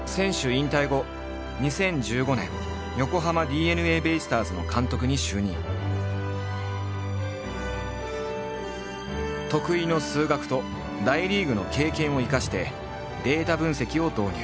引退後得意の数学と大リーグの経験を生かしてデータ分析を導入。